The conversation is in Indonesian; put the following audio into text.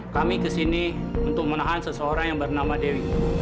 kami ke sini untuk menahan seseorang yang bernama dewi